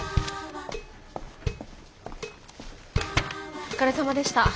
お疲れさまでした。